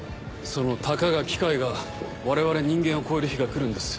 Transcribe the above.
その「たかが機械」が我々人間を超える日が来るんです。